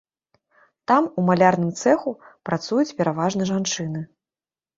Там, у малярным цэху, працуюць пераважна жанчыны.